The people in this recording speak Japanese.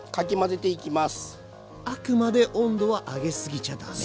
あくまで温度は上げすぎちゃだめ？